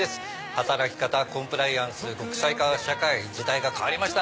働き方コンプライアンス国際化社会時代が変わりました。